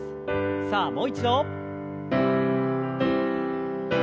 さあもう一度。